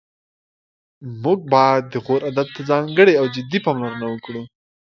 موږ باید د غور ادب ته ځانګړې او جدي پاملرنه وکړو